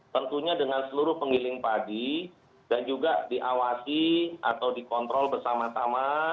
tentunya dengan seluruh penggiling padi dan juga diawasi atau dikontrol bersama sama